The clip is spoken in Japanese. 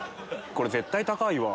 これ絶対高いわ。